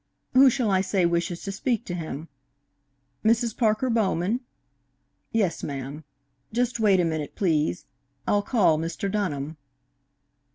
Who shall I say wishes to speak to him?... Mrs. Parker Bowman?... Yes, ma'am; just wait a minute, please. I'll call Mr. Dunham."